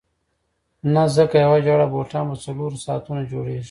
نه ځکه یوه جوړه بوټان په څلورو ساعتونو جوړیږي.